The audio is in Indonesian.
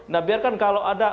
nah biarkan kalau ada